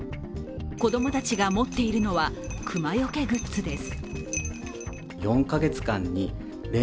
子供たちが持っているのは熊よけグッズです。